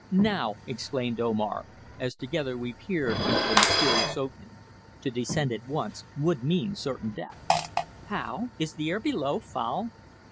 "Now," exclaimed Omar, as together we peered into the mysterious opening. "To descend at once would mean certain death." "How? Is the air below foul?"